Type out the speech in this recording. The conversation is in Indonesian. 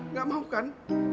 nggak mau kan